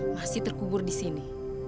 masih terkubur di sini